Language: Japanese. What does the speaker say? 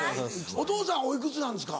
お父さんお幾つなんですか？